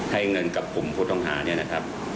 ให้เงินกับกลุ่มผู้ต้องหาเนี่ยนะครับ